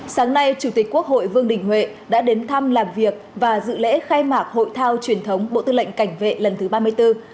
sáng nay chủ tịch quốc hội vương đình huệ đã đến thăm làm việc và dự lễ khai mạc hội thao truyền thống bộ tư lệnh cảnh vệ lần thứ ba mươi bốn